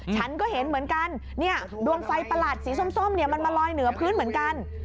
ฉันก็เห็นเหมือนกันเนี่ยดวงไฟประหลาดสีส้มเนี่ยมันมาลอยเหนือพื้นเหมือนกัน